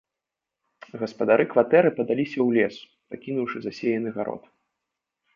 Гаспадары кватэры падаліся ў лес, пакінуўшы засеяны гарод.